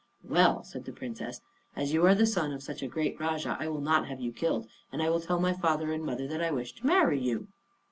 "Well," said the Princess, "as you are the son of such a great Rajah, I will not have you killed, and I will tell my father and mother that I wish to marry you."